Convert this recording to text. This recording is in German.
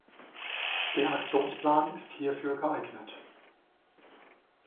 Der Aktionsplan ist hierfür geeignet.